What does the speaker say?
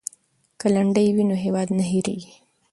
که لنډۍ وي نو هیواد نه هیریږي.